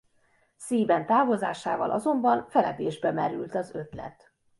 Szieben távozásával azonban feledésbe merült az ötlet.